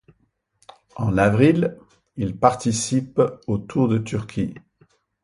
En avril, il participe au Tour de Turquie.